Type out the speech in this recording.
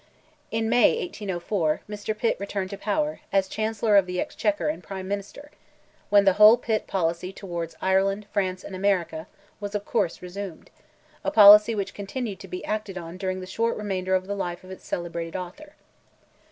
In May, 1804, Mr. Pitt returned to power, as Chancellor of the Exchequer and Prime Minister, when the whole Pitt policy towards Ireland, France, and America, was of course resumed; a policy which continued to be acted on during the short remainder of the life of its celebrated author.